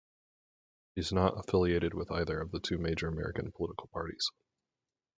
She is not affiliated with either of the two major American political parties.